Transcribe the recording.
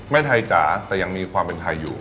ไทยจ๋าแต่ยังมีความเป็นไทยอยู่